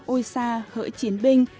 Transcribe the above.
ôi sa hỡi chiến binh